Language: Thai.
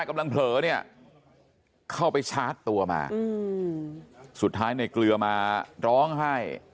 กำลังเผลอเนี่ยเข้าไปชาร์จตัวมาสุดท้ายในเกลือมาร้องไห้